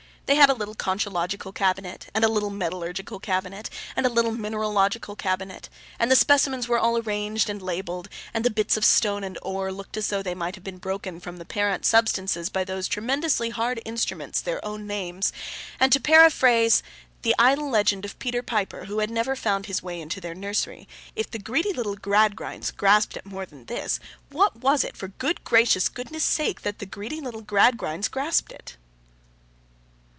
They had a little conchological cabinet, and a little metallurgical cabinet, and a little mineralogical cabinet; and the specimens were all arranged and labelled, and the bits of stone and ore looked as though they might have been broken from the parent substances by those tremendously hard instruments their own names; and, to paraphrase the idle legend of Peter Piper, who had never found his way into their nursery, If the greedy little Gradgrinds grasped at more than this, what was it for good gracious goodness' sake, that the greedy little Gradgrinds grasped it!